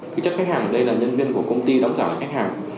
cái chất khách hàng ở đây là nhân viên của công ty đóng giả khách hàng